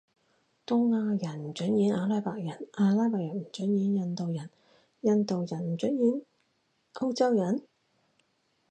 東亞人唔准演阿拉伯人，阿拉伯人唔准演印度人，印度人唔准演歐洲人？